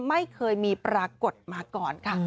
ไม่เคยมีปรากฏมาก่อนค่ะ